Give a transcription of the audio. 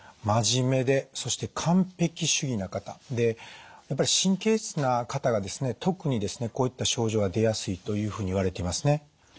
真面目でそして完璧主義な方で神経質な方がですね特にですねこういった症状が出やすいというふうにいわれていますね。